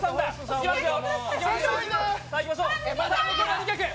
いきますよ。